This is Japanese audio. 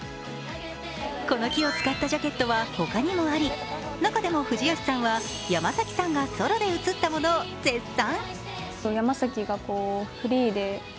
この樹を使ったジャケットはほかにもあり中でも藤吉さんは山崎さんがソロで写ったものを絶賛。